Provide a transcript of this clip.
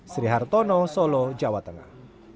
sri hartono solo jawa tengah